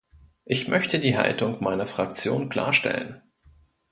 Ich möchte die Haltung meiner Fraktion klarstellen.